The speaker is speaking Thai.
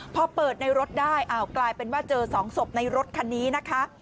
พอเปิดในรถได้อ้าวกลายเป็นว่าเจอ๒ศพในรถคันนี้นะคะ